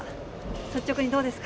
率直にどうですか？